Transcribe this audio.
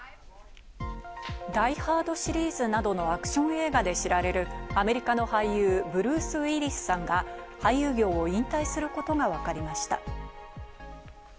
『ダイ・ハード』シリーズなどのアクション映画で知られるアメリカの俳優、ブルース・ウィリスさんが俳優業を引退することがわかりました。